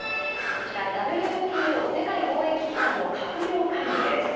こちら、ＷＴＯ・世界貿易機関の閣僚会議です。